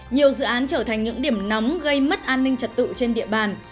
nhiều dự án trở thành những điểm nóng gây mất an ninh trật tự trên địa bàn